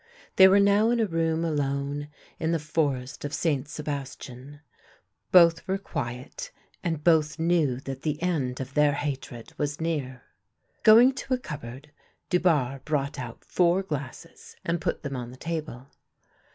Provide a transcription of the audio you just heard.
They were now in a room alone in the forest of St. Sebastian. Both were quiet, and both knew that the end of their hatred was near. Going to a cupboard Dubarre brought out four glasses and put them on the table.